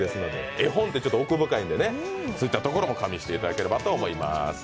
絵本って奥深いんでね、そういったところも加味していただければと思います。